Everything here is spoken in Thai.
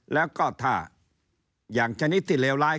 แล้วก็ถ้าอย่างชนิดที่เลวร้าย